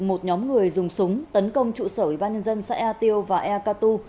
một nhóm người dùng súng tấn công trụ sở ủy ban nhân dân xã ea tiêu và xã ea cà tu